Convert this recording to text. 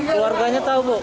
keluarganya tahu bu